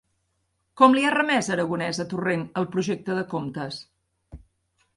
Com li ha remés Aragonès a Torrent el projecte de comptes?